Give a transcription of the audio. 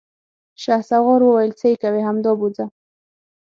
شهسوار وويل: څه يې کوې، همدا بوځه!